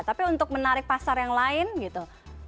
tapi untuk menarik pasar yang lain gitu